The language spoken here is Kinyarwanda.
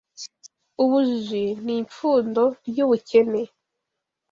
ubujiji ni ipfundo ry’ ubukene